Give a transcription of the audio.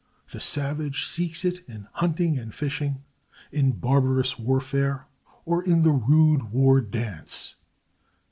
The savage seeks it in hunting and fishing, in barbarous warfare, or in the rude war dance.